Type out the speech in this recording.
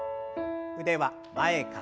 腕は前から横。